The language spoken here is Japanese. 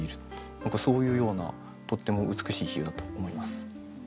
何かそういうようなとっても美しい比喩だと思います。